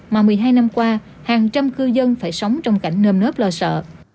mà một mươi hai năm qua hàng trăm cư dân phải sống trong cảnh nơm nớp lo sợ